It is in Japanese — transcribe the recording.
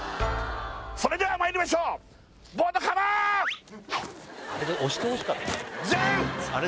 それではまいりましょうジャン！